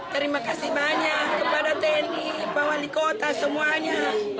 terima kasih banyak kepada tni pak wali kota semuanya